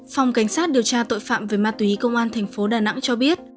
phòng cảnh sát điều tra tội phạm về ma túy công an thành phố đà nẵng cho biết